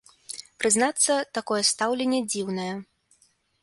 Прызнацца, такое стаўленне дзіўнае.